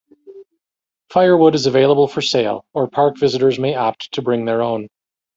Firewood is available for sale, or park visitors may opt to bring their own.